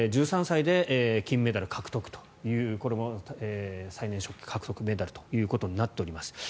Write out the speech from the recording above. １３歳で金メダル獲得というこれも最年少獲得メダルとなっております。